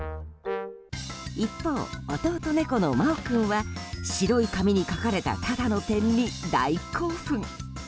一方、弟猫のマオ君は白い紙に書かれたただの点に大興奮。